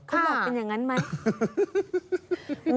เขาบอกเป็นอย่างนั้นไหม